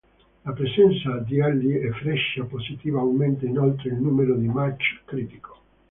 La presenza di ali a freccia positiva aumenta inoltre il numero di Mach critico.